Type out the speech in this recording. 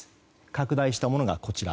拡大したものが、こちら。